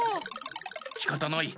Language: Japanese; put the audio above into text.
しかたない。